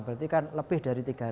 berarti kan lebih dari tiga